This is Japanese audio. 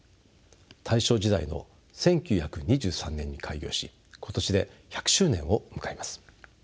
大正時代の１９２３年に開業し今年で１００周年を迎えます。